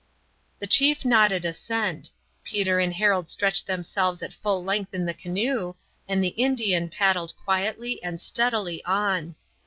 The chief nodded assent. Peter and Harold stretched themselves at full length in the canoe, and the Indian paddled quietly and steadily on.